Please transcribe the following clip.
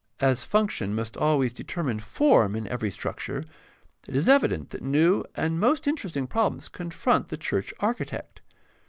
As function must always determine form in every structure, it is evident that new and most interesting problems confront the church architect.